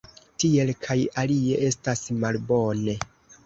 Tiel kaj alie estas malbone.